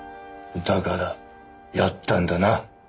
だからやったんだな？